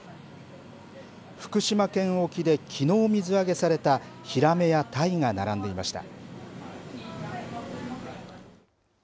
福島県沖で、きのう水揚げされたひらめやたいが並んでいました。